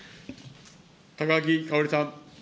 高木かおりさん。